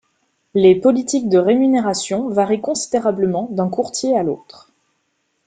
Les politiques de rémunération varient considérablement d'un courtier à l'autre.